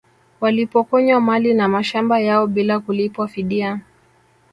Walipokonywa mali na mashamba yao bila kulipwa fidia